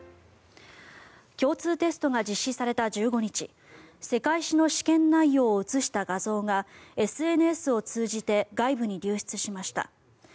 共通テストが実施された１５日世界史の試験内容を写した画像がＳＮＳを通じて外部に流出しました。